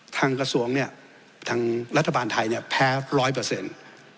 ทางกระทรวงเนี่ยทางรัฐบาลไทยเนี่ยแพ้ร้อยเปอร์เซ็นต์